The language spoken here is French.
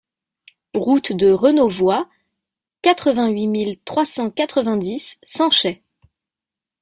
Route de Renauvoid, quatre-vingt-huit mille trois cent quatre-vingt-dix Sanchey